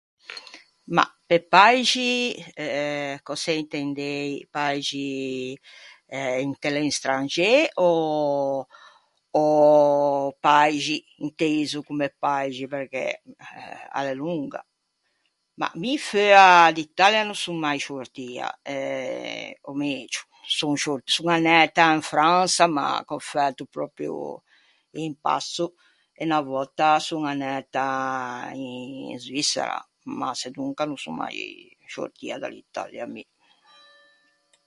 Mah, pe paixi euh cöse intendei? Paixi eh inte l'estranxê ò ò paixi inteiso comme paixi? Perché a l'é longa. Mah, mi feua d'Italia no son mai sciortia. Eh, ò megio, son scior- son anæta in Fransa ma gh'ò fæto pròpio un passo. E unna vòtta son anæta in Svissera. Ma sedonca no son mai sciortia da l'Italia, mi.